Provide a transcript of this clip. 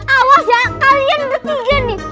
awas ya kalian ketiga nih